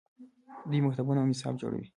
دوی مکتبونه او نصاب جوړوي.